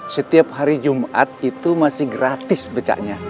setiap hari jumat itu masih gratis becaknya